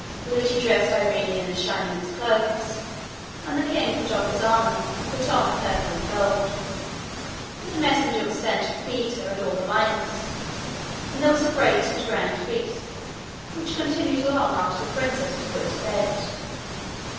Lootie dressed Irene in her shiningest clothes, and the king put off his armour, and put on purple and gold; and a messenger was sent for Peter and all the miners, and there was a great and a grand feast, which continued long after the princess was put to bed.